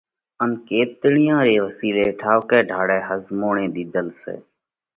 ان ڪيتڻِيون رئہ وسِيلئہ ٺائُوڪئہ ڍاۯئہ ۿزموڻئِي ۮِيڌل سئہ۔